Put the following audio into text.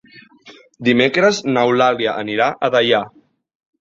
Dimecres n'Eulàlia anirà a Deià.